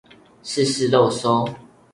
試試肉搜